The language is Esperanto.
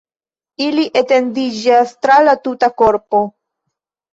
Ili etendiĝas tra la tuta korpo.